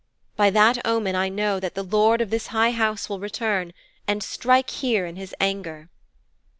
By that omen I know that the lord of this high house will return, and strike here in his anger.'